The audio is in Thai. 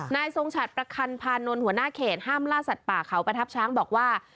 ทรงฉัดประคันพานนท์หัวหน้าเขตห้ามล่าสัตว์ป่าเขาประทับช้างบอกว่า